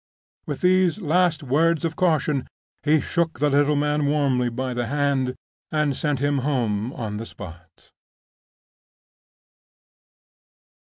With those last words of caution, he shook the little man warmly by the hand and sent him home on the spot.